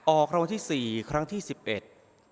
ออกรางวัลที่สี่ครั้งที่สิบเอ็ด